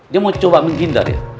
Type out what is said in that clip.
dia mau coba menghindar ya